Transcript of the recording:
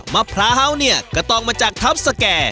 มะพร้าวเนี่ยก็ต้องมาจากทัพสแก่